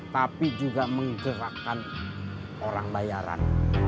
tapi juga menggerakkan orang bayaran